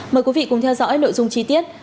mời quý vị cùng theo dõi nội dung chi tiết